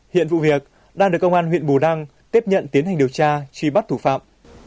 hiện vụ việc đang được công an huyện bù đăng tiếp nhận tiến hành điều tra truy bắt thủ phạm